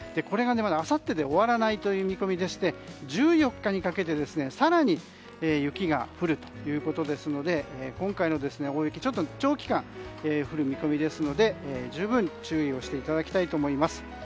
これがあさってで終わらない見込みでして１４日にかけて更に雪が降るということですので今回の大雪長期間降る見込みですので十分注意していただきたいと思います。